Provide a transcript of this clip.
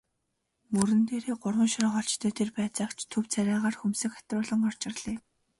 Мөрөн дээрээ гурван шоргоолжтой тэр байцаагч төв царайгаар хөмсөг атируулан орж ирлээ.